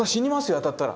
当たったら。